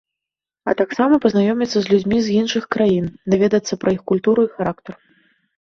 А таксама пазнаёміцца з людзьмі з іншых краін, даведацца пра іх культуру і характар.